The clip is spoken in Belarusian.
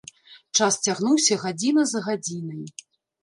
Час цягнуўся гадзіна за гадзінай.